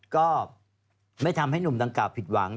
ก็ไม่ทำให้หนุ่มดังกล่าผิดหวัง